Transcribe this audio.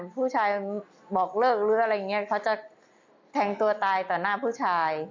ผู้ชายบอกเลิกหรืออะไรอย่างนี้เขาจะแทงตัวตายต่อหน้าผู้ชาย